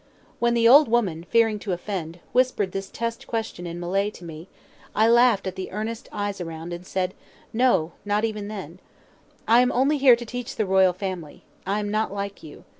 When the old woman, fearing to offend, whispered this test question in Malay to me, I laughed at the earnest eyes around, and said: "No, not even then. I am only here to teach the royal family. I am not like you.